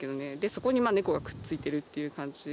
そこに猫がくっついてるっていう感じ。